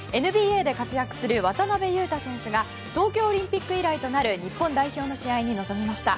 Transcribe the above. ＮＢＡで活躍する渡邊雄太選手が東京オリンピック以来となる日本代表の試合に臨みました。